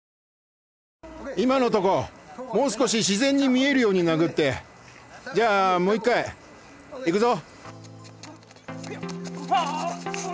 今のとこもう少ししぜんに見えるようになぐってじゃあもう一回。いくぞ。